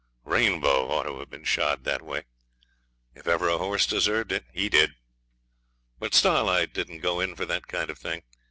Rainbow ought to have been shod that way. If ever a horse deserved it he did. But Starlight didn't go in for that kind of thing.